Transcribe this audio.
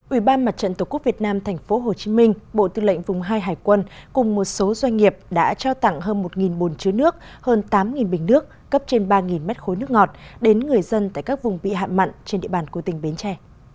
ủy ban mặt trận tổ quốc việt nam tp hcm bộ tư lệnh vùng hai hải quân cùng một số doanh nghiệp đã trao tặng hơn một bồn chứa nước hơn tám bình nước cấp trên ba mét khối nước ngọt đến người dân tại các vùng bị hạm mặn trên địa bàn của tỉnh bến tre